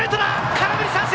空振り三振！